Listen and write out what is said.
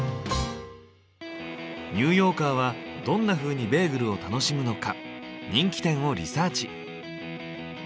ニューヨーカーはどんなふうにベーグルを楽しむのか人気店をリサーチ。